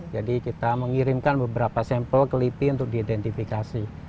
jadi kita mengirimkan beberapa sampel ke lipi untuk diidentifikasi